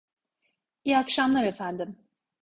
İyi akşamlar efendim.